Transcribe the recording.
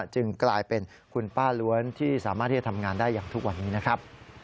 จึงกลายเป็นคุณป้าล้วนที่สามารถที่จะทำงานได้อย่างทุกวันนี้นะครับ